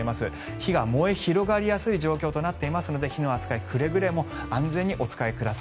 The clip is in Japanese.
火が燃え広がりやすい状況になっていますので火の扱い、くれぐれも安全にお使いください。